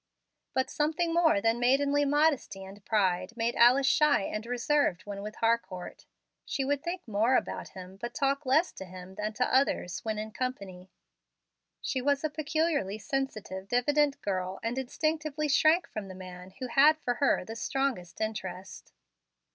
But something more than maidenly modesty and pride made Alice shy and reserved when with Harcourt. She would think more about him, but talk less to him than to others when in company. She was a peculiarly sensitive, diffident girl, and instinctively shrank from the man who had for her the strongest interest.